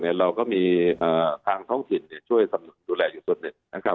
เราก็มีทางท้องถิ่นช่วยดูแลที่ตอนนี้